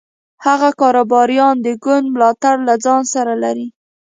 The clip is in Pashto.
هغه کاروباریان د ګوند ملاتړ له ځان سره لري.